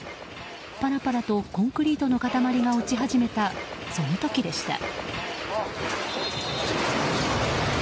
パラパラとコンクリートの塊が落ち始めた、その時でした。